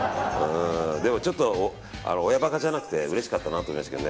でも、親馬鹿じゃなくてうれしかったなと思いましたけど。